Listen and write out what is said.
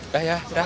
dah ya dah